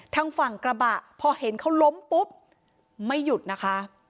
ทางฝั่งกระบะพอเห็นเขาล้มปุ๊บไม่หยุดนะคะ